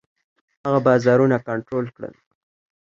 هغه بازارونه کنټرول کړل.